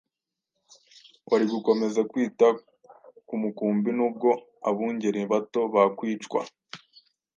wari gukomeza kwita ku mukumbi nubwo abungeri bato bakwicwa.